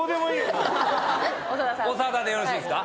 もう長田でよろしいですか？